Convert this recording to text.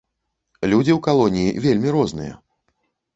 Людзі ў калоніі вельмі розныя.